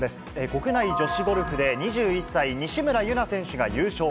国内女子ゴルフで２１歳、西村優菜選手が優勝。